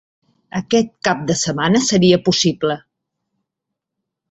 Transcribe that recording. Aquest cap de setmana seria possible.